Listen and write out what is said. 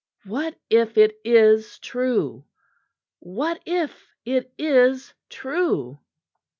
What if it is true? _What if it is true?